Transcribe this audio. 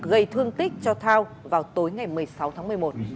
gây thương tích cho thao vào tối ngày một mươi sáu tháng một mươi một